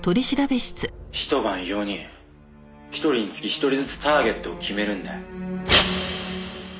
「一晩４人」「一人につき一人ずつターゲットを決めるんだよ」